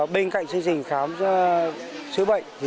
bên cạnh chương trình khám chữa bệnh